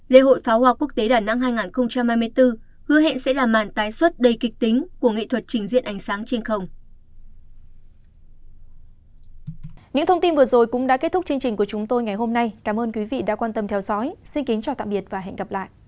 lễ hội pháo hoa quốc tế đà nẵng hai nghìn hai mươi bốn hứa hẹn sẽ là màn tái xuất đầy kịch tính của nghệ thuật trình diện ánh sáng trên không